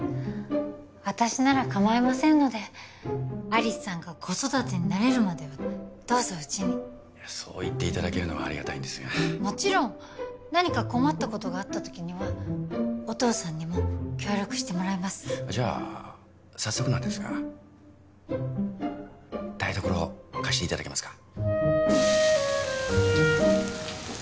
私ならかまいませんので有栖さんが子育てに慣れるまではどうぞうちにそう言っていただけるのはありがたいんですかもちろん何か困ったことがあった時にはお父さんにも協力してもらいますじゃあ早速なんですが台所貸していただけますか？